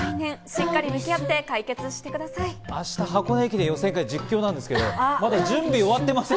明日、箱根駅伝予選会の実況なんですけど、まだ準備が終わってません。